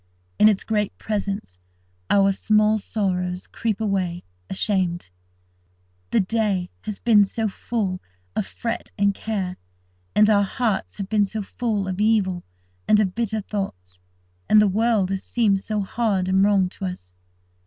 In its great presence, our small sorrows creep away, ashamed. The day has been so full of fret and care, and our hearts have been so full of evil and of bitter thoughts, and the world has seemed so hard and wrong to us.